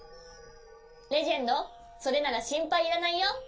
レジェンドそれならしんぱいいらないよ。